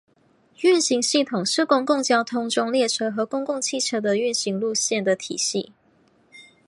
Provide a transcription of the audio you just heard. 运行系统是公共交通中列车和公共汽车的运行路线的体系。